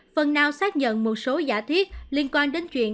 phần nào xác nhận một số giả thiết liên quan đến chuyện